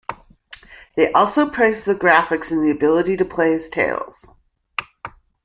They also praised the graphics and the ability to play as Tails.